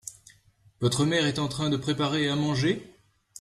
Votre mère est en train de préparer à manger ?